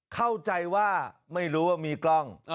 เข้าใจว่าไม่รู้ว่ามีกล้อง